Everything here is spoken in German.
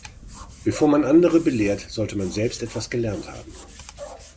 Bevor man andere belehrt, sollte man selbst etwas gelernt haben.